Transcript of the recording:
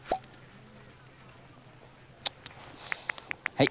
はい。